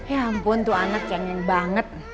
ya ampun tuh anak pengen banget